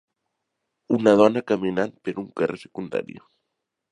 Una dona caminant per un carrer secundari